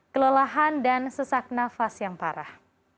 kelelahan dan sesak nafas yang parah